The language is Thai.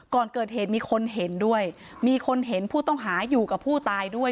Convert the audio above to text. ก่อนเกิดเหตุมีคนเห็นด้วยมีคนเห็นผู้ต้องหาอยู่กับผู้ตายด้วย